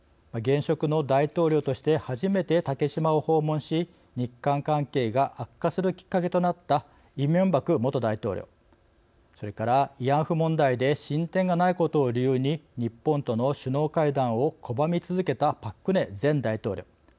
現職の大統領として初めて竹島を訪問し、日韓関係が悪化するきっかけとなったイ・ミョンバク元大統領それから慰安婦問題で進展がないことを理由に日本との首脳会談を拒み続けたパク・クネ前大統領。